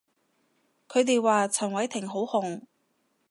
佢哋話陳偉霆好紅